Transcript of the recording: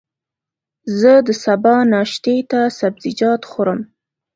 زه د سبا ناشتې ته سبزيجات خورم.